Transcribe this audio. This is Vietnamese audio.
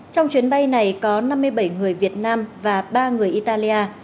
trong chuyến bay này có năm mươi bảy người việt nam và ba người italia